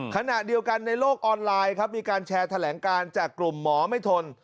ขณะเดียวกันในโลกออนไลน์ครับมีการแชร์แถลงการจากกลุ่มหมอไม่ทน